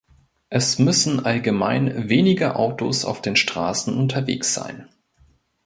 Es müssen allgemein weniger Autos auf den Straßen unterwegs sein.